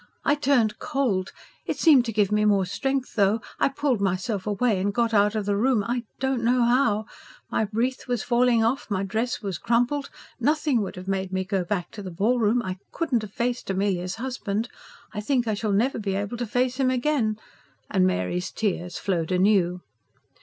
I turned cold. It seemed to give me more strength, though. I pulled myself away and got out of the room, I don't know how. My wreath was falling off. My dress was crumpled. Nothing would have made me go back to the ballroom. I couldn't have faced Amelia's husband I think I shall never be able to face him again," and Mary's tears flowed anew.